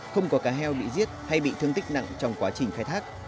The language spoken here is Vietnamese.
không có cá heo bị giết hay bị thương tích nặng trong quá trình khai thác